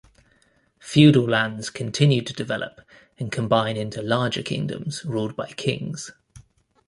Feudal lands continued to develop and combine into larger kingdoms ruled by kings.